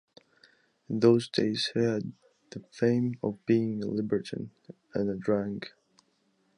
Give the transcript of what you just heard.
In those days he had the fame of being a libertine and a drunk.